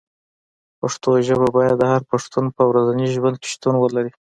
پښتو ژبه باید د هر پښتون په ورځني ژوند کې شتون ولري.